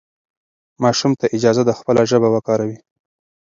ماشوم ته اجازه ده خپله ژبه وکاروي.